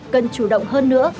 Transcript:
cần chủ động hơn nữa